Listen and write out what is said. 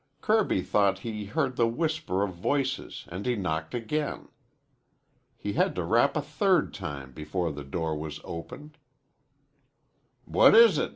Kirby thought he heard the whisper of voices and he knocked again. He had to rap a third time before the door was opened. "What is it?